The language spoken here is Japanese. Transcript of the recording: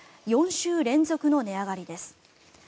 ４週連続の値上がりです。